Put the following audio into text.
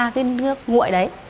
cái nước nguội đấy